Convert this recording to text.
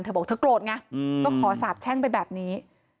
เธอบอกเธอกลดไงอืมก็ขอสาบแช่งไปแบบนี้